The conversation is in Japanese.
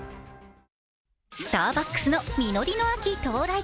スターバックスの実りの秋到来。